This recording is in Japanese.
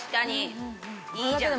いいじゃん！